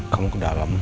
kamu ke dalam